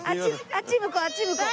あっち向こうあっち向こう。